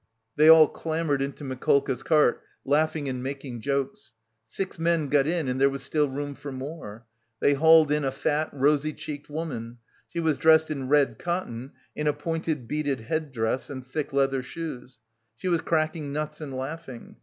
They all clambered into Mikolka's cart, laughing and making jokes. Six men got in and there was still room for more. They hauled in a fat, rosy cheeked woman. She was dressed in red cotton, in a pointed, beaded headdress and thick leather shoes; she was cracking nuts and laughing.